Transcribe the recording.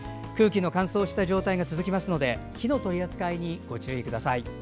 空気の乾燥した状態が続きますので火の取り扱いにご注意ください。